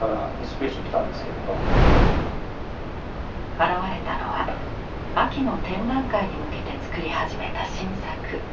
現れたのは秋の展覧会に向けてつくり始めた新作。